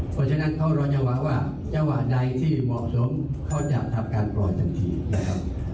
เพราะฉะนั้นเขาเราจะหวังว่าจังหวะใดที่เหมาะสมเขาจะทำการปล่อยทันทีนะครับ